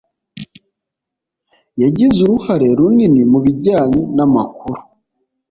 yagize uruhare runini mu bijyanye n'amakuru